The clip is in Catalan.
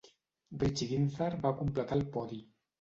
Richie Ginther va completar el podi.